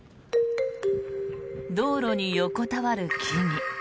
道路に横たわる木々。